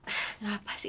enggak apa sih